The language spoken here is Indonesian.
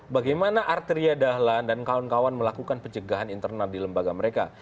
bagaimana arteria dahlan dan kawan kawan melakukan pencegahan internal di lembaga mereka